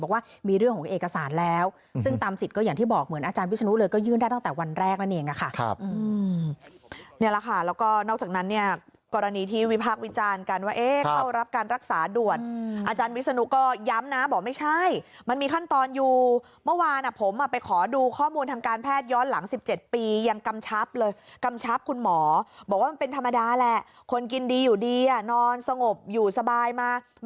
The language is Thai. เขาต้องฟังหมอไม่ใช่ฟังผม